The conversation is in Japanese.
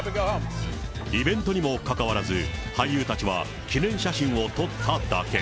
イベントにもかかわらず、俳優たちは記念写真を撮っただけ。